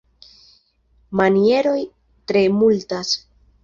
Manieroj tre multas.